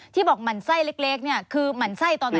ที่บอกหมั่นไส้เล็กคือหมั่นไส้ตอนไหนครับ